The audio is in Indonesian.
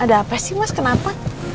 ada apa sih mas kenapa